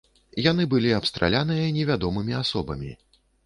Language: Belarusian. Яны былі абстраляныя невядомымі асобамі.